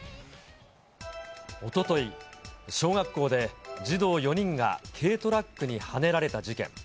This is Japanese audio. おととい、小学校で児童４人が軽トラックにはねられた事件。